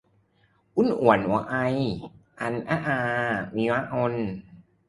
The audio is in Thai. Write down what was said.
หุ้นส่วนหัวใจ - นันทนา วีระชน